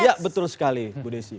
iya betul sekali ibu desi